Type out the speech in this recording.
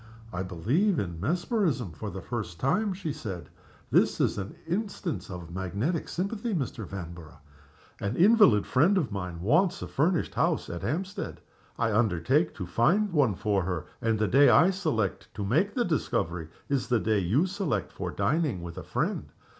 "I believe in mesmerism for the first time," she said. "This is an instance of magnetic sympathy, Mr. Vanborough. An invalid friend of mine wants a furnished house at Hampstead. I undertake to find one for her, and the day I select to make the discovery is the day you select for dining with a friend.